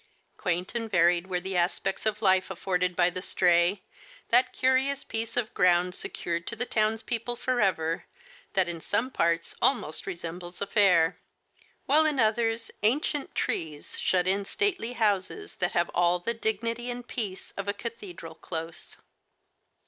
Quaint and varied were the aspects of life afforded by the Stray, that curious piece of ground secured to the towns people forever, that in some parts almost resem bles a fair ; while in others, ancient trees shut in stately houses that have all the dignity and peace of a cathedral close.